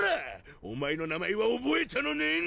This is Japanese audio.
お前の名前はおぼえたのねん！